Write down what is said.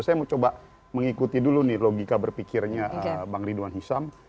saya mau coba mengikuti dulu nih logika berpikirnya bang ridwan hisam